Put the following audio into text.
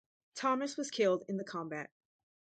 Thomas was killed in the combat.